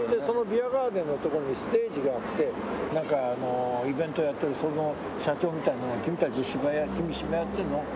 そのビアガーデンのところにステージがあってなんかあのイベントをやってるその社長みたいなのが君芝居やってるの？